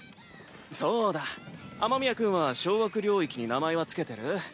そうだ雨宮君は掌握領域に名前は付けてる？